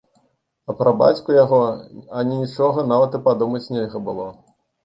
А пра бацьку яго ані нічога нават і падумаць нельга было.